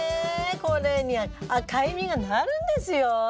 これに赤い実がなるんですよ。